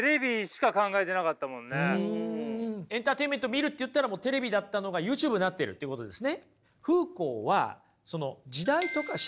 エンターテインメント見るって言ったらもうテレビだったのがＹｏｕＴｕｂｅになってるということですね。